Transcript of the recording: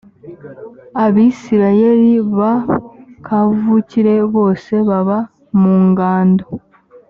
abisirayeli ba kavukire bose baba mu ngando.